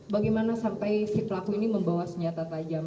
bagaimana sampai si pelaku ini membawa senjata tajam